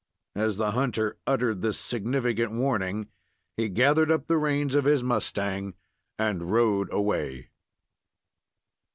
As the hunter uttered this significant warning, he gathered up the reins of his mustang and rode away.